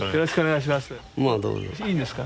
いいんですか？